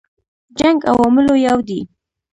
جنګ عواملو یو دی.